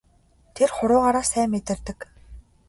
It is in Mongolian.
Тэр хуруугаараа сайн мэдэрдэг.